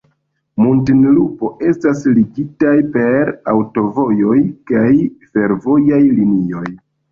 Muntinlupo estas ligataj per aŭtovojoj kaj fervojaj linioj.